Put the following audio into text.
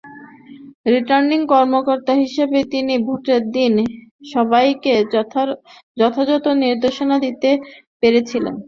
Returning কর্মকর্তা হিসেবে তিনি ভোটের দিন সবাইকে যথাযথ নির্দেশনা দিতে পারেননি।